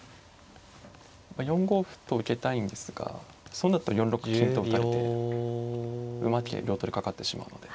４五歩と受けたいんですがそうなったら４六金と打たれて馬桂両取りかかってしまうので。